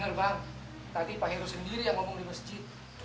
karena tadi pak heru sendiri yang ngomong di masjid